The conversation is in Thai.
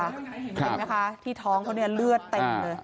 เห็นไหมคะที่ท้องเขาเนี่ยเลือดเต็มเลย